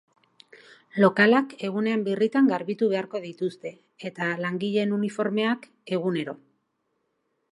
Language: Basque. Lokalak egunean birritan garbitu beharko dituzte, eta langileen uniformeak, egunero.